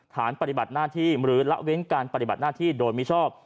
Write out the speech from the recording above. ฐานปฏิบัติหน้าที่หรือละเว้นการปฏิบัติหน้าที่โดยมิชอบ